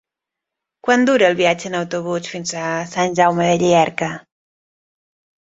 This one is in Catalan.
Quant dura el viatge en autobús fins a Sant Jaume de Llierca?